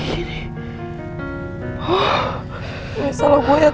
kita gak lewat